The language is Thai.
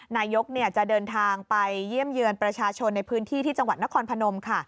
นายกจะเดินทางไปเยี่ยมเยือนประชาชนในพื้นที่ที่จังหวัดนครพนมค่ะ